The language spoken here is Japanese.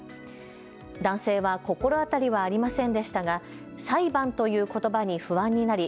男性は心当たりはありませんでしたが裁判ということばに不安になり